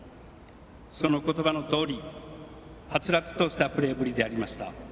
その言葉のとおりはつらつとしたプレーぶりでありました。